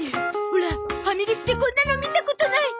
オラファミレスでこんなの見たことない。